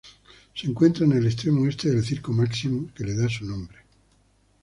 Se encuentra en el extremo este del Circo Máximo, que le da su nombre.